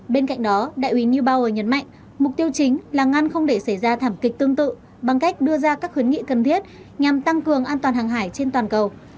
bên cạnh đó đại ủy new bower nhấn mạnh mục tiêu chính là ngăn không để xảy ra thảm kịch tương tự bằng cách đưa ra các khuyến nghị cần thiết nhằm tăng cường an toàn hàng hải trên toàn cầu